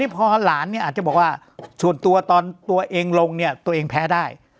พอหลานเนี่ยอาจจะบอกว่าส่วนตัวตอนตัวเองลงเนี่ยตัวเองแพ้ได้